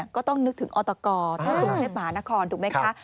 ก็ต้องนึกถึงออตกอร์ธุรกิจหมานครถูกไหมคะ